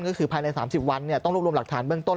ก็คือภายใน๓๐วันต้องรวบรวมหลักฐานเบื้องต้น